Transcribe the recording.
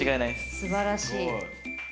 すばらしい。